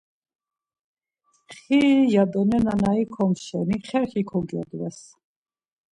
Xiii... ya do nena na ikoms şeni xerxi kogyodves.